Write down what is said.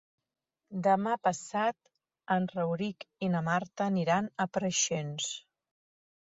Demà passat en Rauric i na Marta aniran a Preixens.